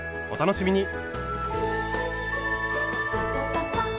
お楽しみに！